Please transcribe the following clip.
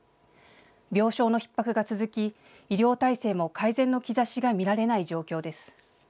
病床のひっ迫が続き、医療体制も改善の兆しが見られない状況です。